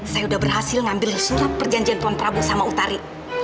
saya sudah berhasil ngambil surat perjanjian pon prabu sama utari